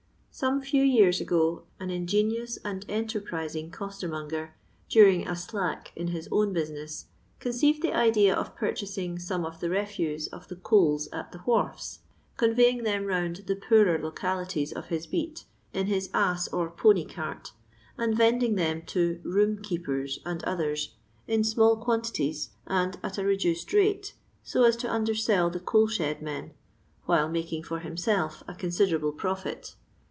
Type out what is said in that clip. Some fewyean ago an ingenioot and enterprising costennonger, daring a " slack" in his own basi nets, conceived the idea of porchasing some of the refose of the coals at the wharfs, conveying them round the poorer localities of his beat, in his ass or pony cart, and vending them to room keepers" and others, in small quantities and at a reduced rate, so as to undersell the coal shed men, while making for hunself a considerable profit.